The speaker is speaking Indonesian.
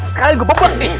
sekalian gua bebek nih